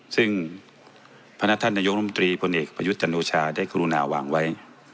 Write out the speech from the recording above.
ซึ่งพนักท่านนายกรมตรีพลเอกประยุทธ์จันโอชาได้กรุณาวางไว้